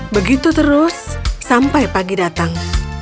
begitu terus sampai pagi datang